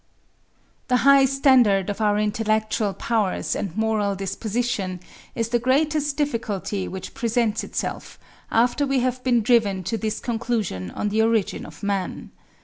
The high standard of our intellectual powers and moral disposition is the greatest difficulty which presents itself, after we have been driven to this conclusion on the origin of man.